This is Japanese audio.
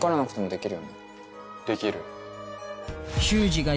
できる。